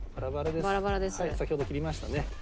先ほど切りましたね。